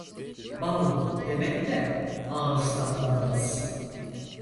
Bal demekle ağız tatlanmaz.